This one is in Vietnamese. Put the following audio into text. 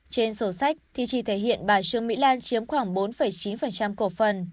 trên sổ sách thì chỉ thể hiện bà trương mỹ lan chiếm khoảng bốn chín cổ phần